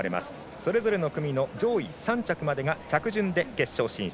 それぞれの組の上位３着までが着順で決勝進出。